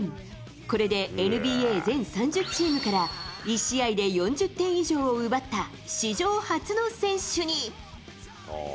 これでＮＢＡ全３０チームから１試合で４０点以上奪った史上初の選手に。